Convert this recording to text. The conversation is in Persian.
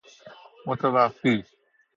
متوفی